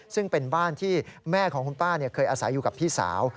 ซึ่งเป็นบ้านที่แม่ของคุณป้าเคยอาศัยอยู่กับพี่สาว